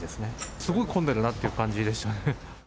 すごい混んでるなっていう感じでしたね。